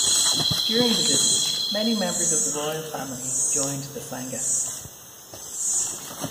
During the visit, many members of the royal family joined the sangha.